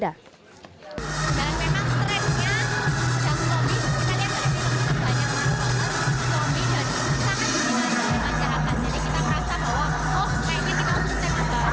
dan memang stresnya jangan zombie kita lihat dari sini banyak banget zombie dan sangat diingatkan oleh pancahatan